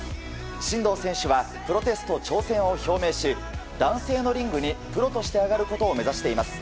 真道選手はプロテスト挑戦を表明し男性のリングにプロとして上がることを目指しています。